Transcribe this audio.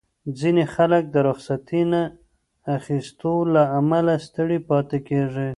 ځینې خلک د رخصتۍ نه اخیستو له امله ستړي پاتې کېږي.